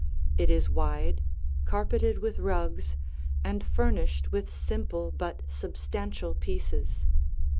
It is wide, carpeted with rugs, and furnished with simple but substantial pieces.